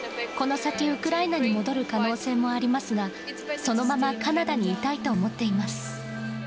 この先、ウクライナに戻る可能性もありますが、そのままカナダにいたいと思っています。